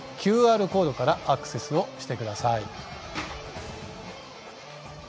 ＱＲコードからアクセスをしてください。